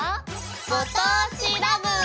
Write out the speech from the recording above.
「ご当地ＬＯＶＥ」！